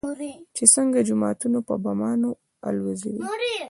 چې څنگه جوماتونه په بمانو الوزوي.